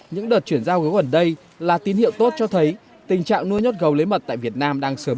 những đợt chuyển giao gấu gần đây là tín hiệu tốt cho thấy tình trạng nuôi nhốt gấu lấy mật tại việt nam đang sớm